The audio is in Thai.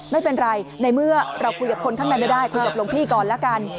ไม่เป็นไรในเมื่อเราคุยกับคนข้างในไม่ได้คุยกับหลวงพี่ก่อนแล้วกัน